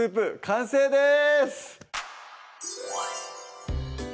完成です